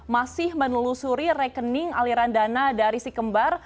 masih menelusuri rekening aliran dana dari sikembar